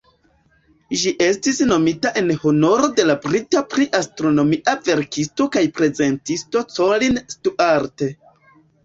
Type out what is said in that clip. Ĝi estis nomita en honoro de la brita pri-astronomia verkisto kaj prezentisto "Colin Stuart".